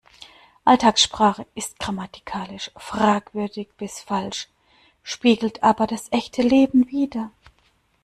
Alltagssprache ist grammatikalisch fragwürdig bis falsch, spiegelt aber das echte Leben wider.